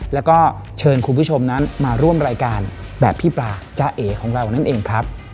แล้วก็เชิญคุณผู้ชมนั้นมาร่วมรายการแบบพี่ปลาจ้าเอ๋ของเรานั่นเองครับ